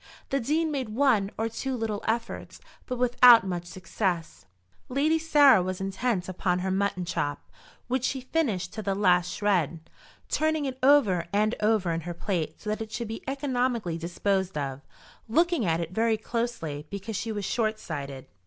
The Dean made one or two little efforts, but without much success. Lady Sarah was intent upon her mutton chop, which she finished to the last shred, turning it over and over in her plate so that it should be economically disposed of, looking at it very closely because she was short sighted.